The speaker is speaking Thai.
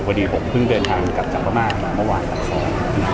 พอดีผมเพิ่งเปลี่ยนทางกลับจังหวะมากเมื่อวานหลักศ้อน